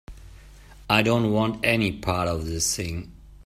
I don't want any part of this thing.